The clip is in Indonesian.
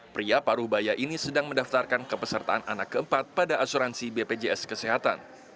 pria paruh baya ini sedang mendaftarkan kepesertaan anak keempat pada asuransi bpjs kesehatan